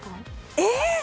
えっ？